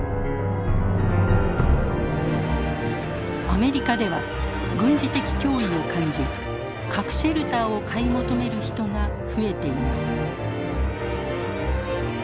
アメリカでは軍事的脅威を感じ核シェルターを買い求める人が増えています。